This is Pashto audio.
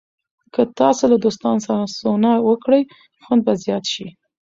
که تاسو له دوستانو سره سونا وکړئ، خوند به زیات شي.